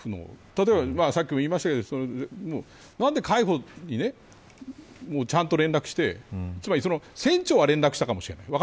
例えば、さっきも言いましたけど何で海保にちゃんと連絡して、船長は連絡したかもしれない。